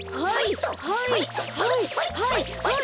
はいはいはいはい！